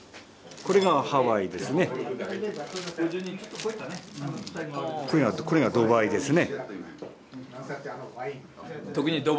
これがドバイですね。